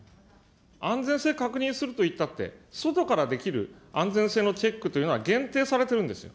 安全性確認するといったって、外からできる安全性のチェックというのは限定されてるんですよ。